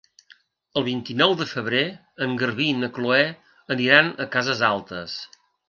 El vint-i-nou de febrer en Garbí i na Chloé aniran a Cases Altes.